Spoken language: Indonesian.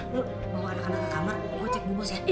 bawa anak anak ke kamar gue cek bu bos ya